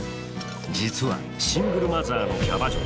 実はシングルマザーのキャバ嬢。